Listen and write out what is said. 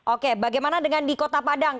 oke bagaimana dengan di kota padang